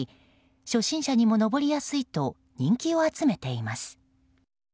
初心者にも登りやすいと人気を集めています。